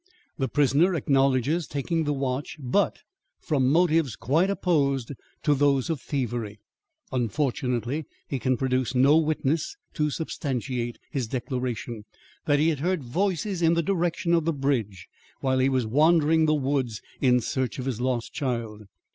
The prisoner acknowledges taking the watch but from motives quite opposed to those of thievery. Unfortunately he can produce no witnesses to substantiate his declaration that he had heard voices in the direction of the bridge while he was wandering the woods in search of his lost child.